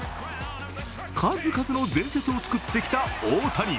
数々の伝説を作ってきた大谷。